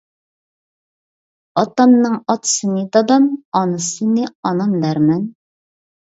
ئاتامنىڭ ئاتىسىنى دادام، ئانىسىنى ئانام دەرمەن.